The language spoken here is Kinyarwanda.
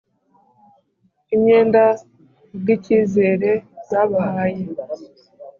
imyenda kubwikizere babahaye.